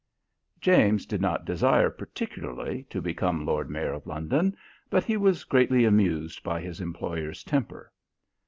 James did not desire particularly to become Lord Mayor of London, but he was greatly amused by his employer's temper.